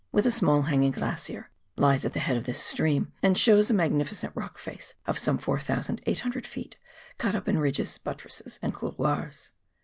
with a small hanging glacier, lies at the head of this stream, and shows a magnifi cent rock face of some 4,800 ft., cut up in ridges, buttresses and couloirs.